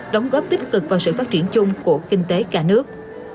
đóng góp tích cực vào sự phát triển chung của kinh tế cả nước